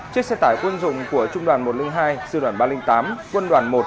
chiếc xe tải quân dụng của trung đoàn một trăm linh hai sư đoàn ba trăm linh tám quân đoàn một